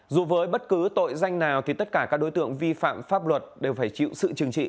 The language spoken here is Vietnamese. dù với bất cứ tội danh nào thì tất cả các đối tượng vi phạm pháp luật đều phải chịu sự trừng trị